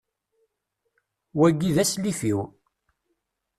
Wagi, d aslif-iw.